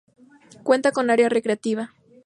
Cuenta con área recreativa.